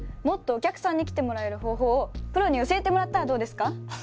もっとお客さんに来てもらえる方法をプロに教えてもらったらどうですか？